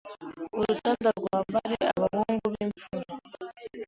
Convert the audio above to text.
Urucanda rwambare Abahungu b'imfura